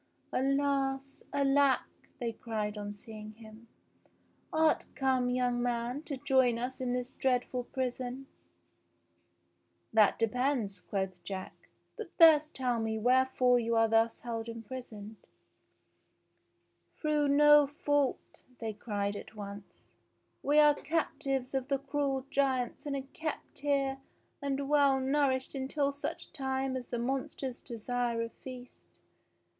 "Alas! Alack!" they cried on seeing him. *'Art come, young man, to join us in this dreadful prison ?" "That depends," quoth Jack; "but first tell me where fore you are thus held imprisoned.''" "Through no fault," they cried at once. "We are cap tives of the cruel giants and are kept here and well nourished until such time as the monsters desire a feast.